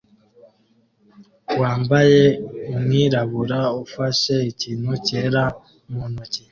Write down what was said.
wambaye umwirabura ufashe ikintu cyera mu ntoki